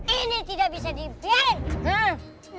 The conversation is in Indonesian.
ini tidak bisa dibiarkan